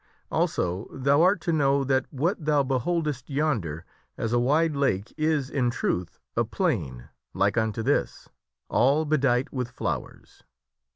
Also thou art to know that what thou beholdest yonder as a wide lake is, in truth, a plain like unto this, all bedight with flowers.